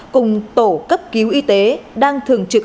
cùng tổ cấp cứu y tế đang thường trực